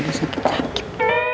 tidak ada sakit sakit